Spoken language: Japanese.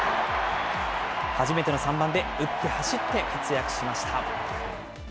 初めての３番で、打って走って活躍しました。